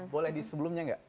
boleh di sebelumnya enggak